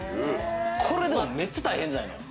これめっちゃ大変じゃないの？